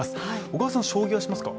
小川さん、将棋はしますか？